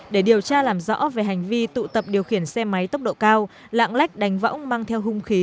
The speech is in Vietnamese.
để điều tra làm rõ về hành vi tụ tập điều khiển xe máy tốc độ cao lạng lách đánh võng mang theo hung khí